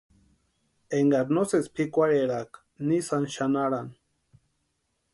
Énkari no sési pʼikwarheraaka ni sáni xanharani.